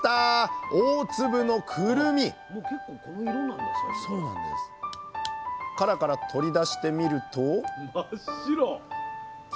大粒のくるみ殻から取り出してみると？